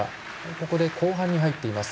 ここで後半に入っています。